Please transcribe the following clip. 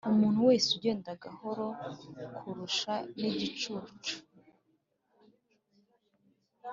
umuntu wese ugenda gahoro kukurusha ni igicucu,